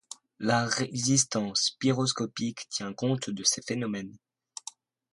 La résistance pyroscopique tient compte de ces phénomènes.